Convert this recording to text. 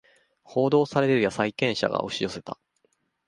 報道されるや債権者が押し寄せた